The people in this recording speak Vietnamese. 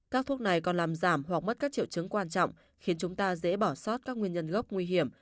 các thuốc này còn làm giảm hoặc mất các triệu chứng quan trọng khiến chúng ta dễ bỏ sót các nguyên nhân gốc nguy hiểm